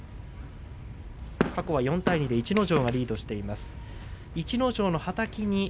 過去４対２で逸ノ城がリードしています。